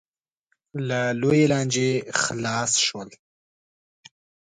له لویې لانجې خلاص شول.